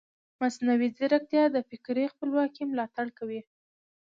مصنوعي ځیرکتیا د فکري خپلواکۍ ملاتړ کوي.